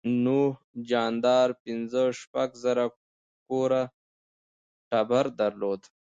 نوح جاندار پنځه شپږ زره کوره ټبر درلود.